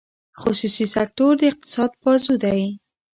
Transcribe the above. خصوصي سکتور د اقتصاد بازو دی.